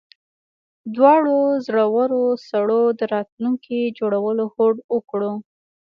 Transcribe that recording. دواړو زړورو سړو د راتلونکي جوړولو هوډ وکړ